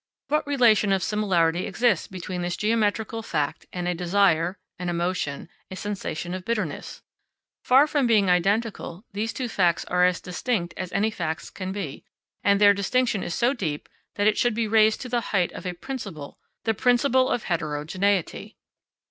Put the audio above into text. What relation of similarity exists between this geometrical fact and a desire, an emotion, a sensation of bitterness? Far from being identical, these two facts are as distinct as any facts can be, and their distinction is so deep that it should be raised to the height of a principle, the principle of heterogeneity.